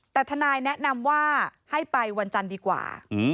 แต่ทนายแนะนำว่าให้ไปวันจันทร์ดีกว่า